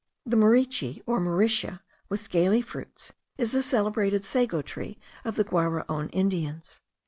The murichi, or mauritia with scaly fruits, is the celebrated sago tree of the Guaraon Indians.